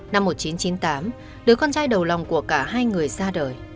năm một nghìn chín trăm chín mươi tám đứa con trai đầu lòng của cả hai người ra đời